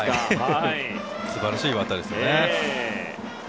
素晴らしいバッターですね。